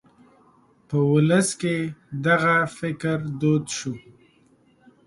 په ولس کې دغه فکر دود شو.